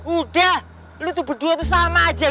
udah lu tuh berdua tuh sama aja